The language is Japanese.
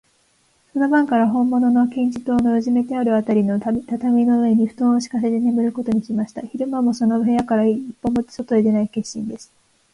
その晩から、ほんものの黄金塔のうずめてあるあたりの畳の上に、ふとんをしかせてねむることにしました。昼間も、その部屋から一歩も外へ出ない決心です。